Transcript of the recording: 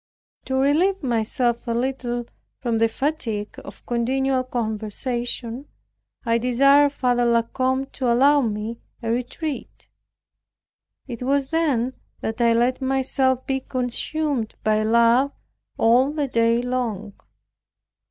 To relieve myself a little from the fatigue of continual conversation, I desired Father La Combe to allow me a retreat. It was then that I let myself be consumed by love all the day long.